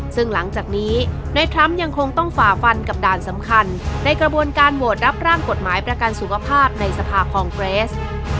ซึ่งหลังจากนี้ในทรัมป์ยังคงต้องฝ่าฟันกับด่านสำคัญในกระบวนการโหวตรับร่างกฎหมายประกันสุขภาพในสภาคองเกรส